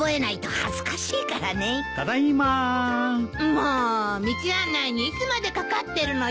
もう道案内にいつまでかかってるのよ。